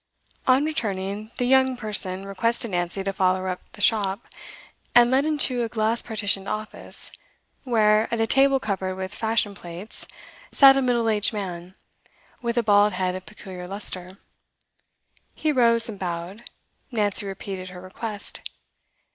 On returning, the young person requested Nancy to follow her up the shop, and led into a glass partitioned office, where, at a table covered with fashion plates, sat a middle aged man, with a bald head of peculiar lustre. He rose and bowed; Nancy repeated her request.